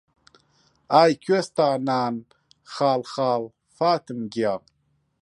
ئای کوێستانان خاڵ خاڵ فاتم گیان